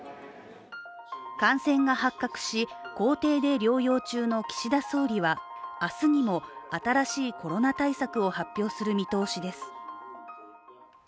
感染が発覚し公邸で療養中の岸田総理は、明日にも新しいコロナ対策を発表する見通しです。